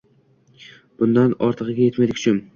Bundan ortigiga etmaydi kuchim